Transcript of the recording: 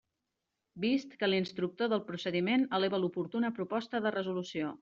Vist que l'instructor del procediment eleva l'oportuna proposta de resolució.